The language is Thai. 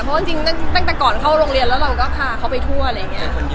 เพราะจริงตั้งแต่ก่อนเข้าโรงเรียนแล้วเราก็พาเขาไปทั่วอะไรอย่างนี้